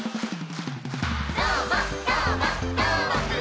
「どーもどーもどーもくん！」